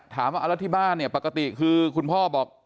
ถามว่าแล้วที่บ้านเนี่ยปกติคือคุณพ่อบอก